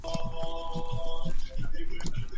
Al oeste limita con el distrito londinense de Lambeth.